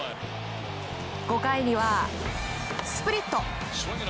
５回には、スプリット。